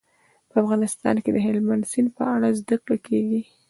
په افغانستان کې د هلمند سیند په اړه زده کړه کېږي.